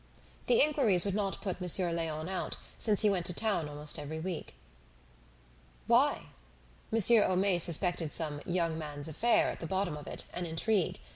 The inquiries would not put Monsieur Léon out, since he went to town almost every week. Why? Monsieur Homais suspected some "young man's affair" at the bottom of it, an intrigue.